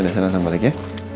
ada senang sama balik ya